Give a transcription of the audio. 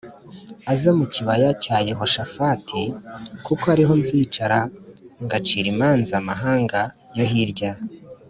aze mu kibaya cya Yehoshafati w kuko ari ho nzicara ngacira imanza amahanga yo hirya